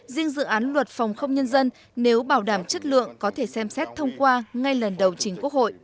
riêng dự án luật phòng không nhân dân nếu bảo đảm chất lượng có thể xem xét thông qua ngay lần đầu chính quốc hội